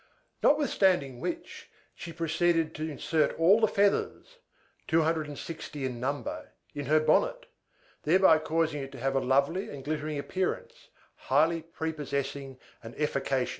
Notwithstanding which, she proceeded to insert all the feathers two hundred and sixty in number in her bonnet; thereby causing it to have a lovely and glittering appearance, highly prepossessing and efficacious.